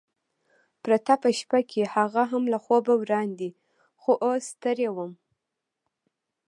پرته په شپه کې، هغه هم له خوبه وړاندې، خو اوس ستړی وم.